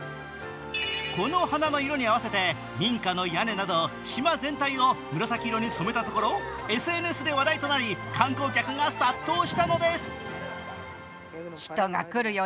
この花の色に合わせて民家の屋根など島全体を紫色に染めたところＳＮＳで話題となり、観光客が殺到したのです。